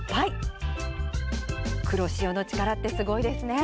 黒潮の力ってすごいですね！